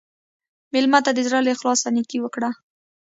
مېلمه ته د زړه له اخلاصه نیکي وکړه.